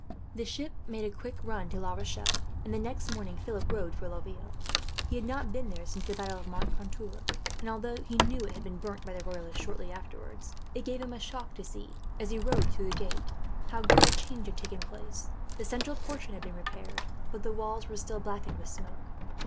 The ship made a quick run to La Rochelle, and the next morning Philip rode for Laville. He had not been there since the battle of Moncontour; and although he knew that it had been burnt by the Royalists, shortly afterwards, it gave him a shock to see, as he rode through the gate, how great a change had taken place. The central portion had been repaired, but the walls were still blackened with smoke.